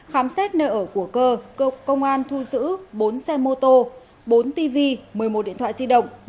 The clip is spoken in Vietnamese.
khám xét nơi ở của cơ quan công an thu giữ bốn xe mô tô bốn tv một mươi một điện thoại di động